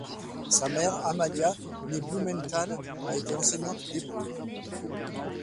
Sa mère, Amalia née Blumenthal, a été enseignante d’hébreu.